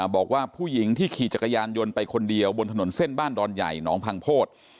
บอกว่าผู้หญิงที่ขี่จักรยานยนต์ไปคนเดียวบนถนนเส้นบ้านดอนใหญ่หนองพังโพธิ